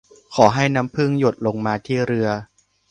ขอให้น้ำผึ้งหยดลงมาที่เรือ